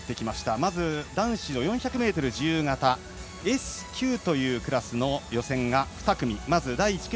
まず男子４００ｍ自由形Ｓ９というクラスの予選が２組。